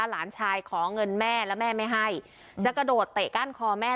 หลานชายขอเงินแม่แล้วแม่ไม่ให้จะกระโดดเตะก้านคอแม่